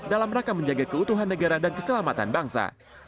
dalam rangka menjaga keutuhan negara dan keselamatan bangsa